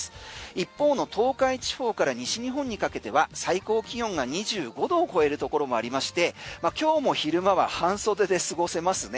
一方の東海地方から西日本にかけては最高気温が２５度を超えるところもありまして、今日も昼間は半袖で過ごせますね。